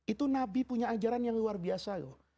itu nabi punya ajaran yang luar biasa loh